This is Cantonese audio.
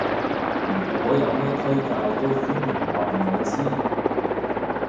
如果有咩推介都歡迎話我知